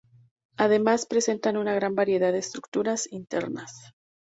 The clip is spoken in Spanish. Además, presentan una gran variedad de estructuras internas.